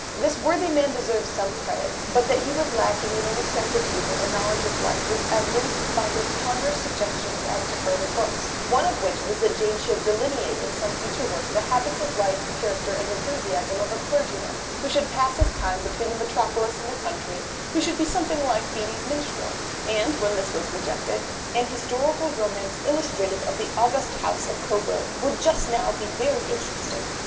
This worthy man deserves some credit, but that he was lacking in any sense of humour or knowledge of life was evidenced by his ponderous suggestions as to future books, one of which was that Jane should "delineate in some future work the habits of life, character, and enthusiasm of a clergyman, who should pass his time between the metropolis and the country, who should be something like Beattie's minstrel"; and when this was rejected, "an historical romance illustrative of the august house of Cobourg, would just now be very interesting."